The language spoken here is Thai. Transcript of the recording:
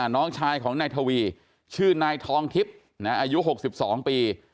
น้องชายของนายทวีชื่อนายทองทิพย์อายุ๖๒ปี